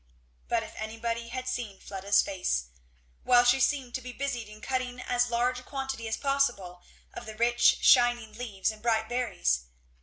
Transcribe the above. But if anybody had seen Fleda's face! while she seemed to be busied in cutting as large a quantity as possible of the rich shining leaves and bright berries.